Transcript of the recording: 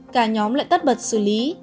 cả nhóm lại tất bật xử lý